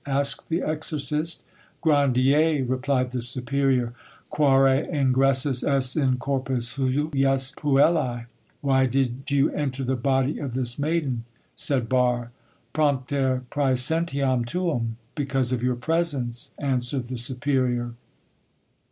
asked the exorcist. "Grandier," replied the superior. "Quare ingressus es in corpus hujus puellae" (Why did you enter the body of this maiden?), said Barre. "Propter praesentiam tuum" (Because of your presence), answered the superior.